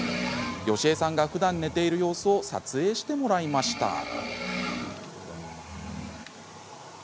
ヨシエさんがふだん寝ている様子を撮影してもらいました。